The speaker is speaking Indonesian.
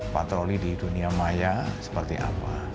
patroli di dunia maya seperti apa